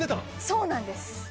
そうなんです。